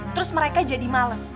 terus mereka jadi males